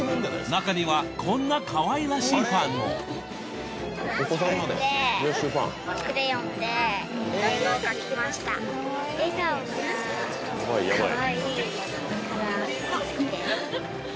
中にはこんなかわいらしいファンもバイバイ。